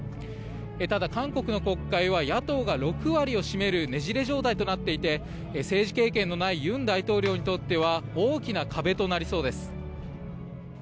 ただ、韓国の国会は野党が６割を占めるねじれ状態となっていて政治経験のない尹大統領にとっては大きな壁となりそうです。